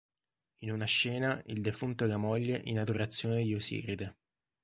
In una scena, il defunto e la moglie in adorazione di Osiride.